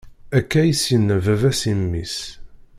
Akka is-yenna baba-s i mmi-s.